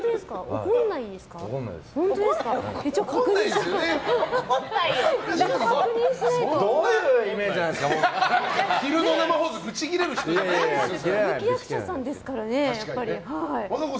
歌舞伎役者さんですからね。